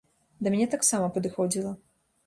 Да мяне таксама падыходзіла.